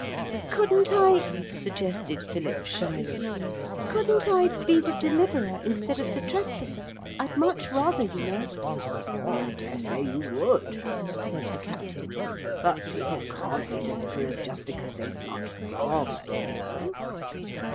'Couldn't I,' suggested Philip shyly, 'couldn't I be the deliverer instead of the trespasser? I'd much rather, you know.' 'I daresay you would,' said the captain; 'but people can't be deliverers just because they'd much rather, you know.'